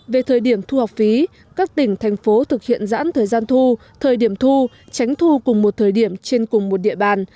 về thời điểm thu học phí các tỉnh thành phố thực hiện giãn thời gian thu thời điểm thu tránh thu cùng một thời điểm trên cùng một địa bàn